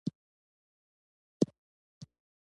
میلې د خلکو د خوشحالۍ او ښار د ژوند معیار لوړوي.